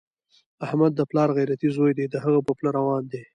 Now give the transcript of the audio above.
احمد د پلار غیرتي زوی دی، د هغه په پله روان دی.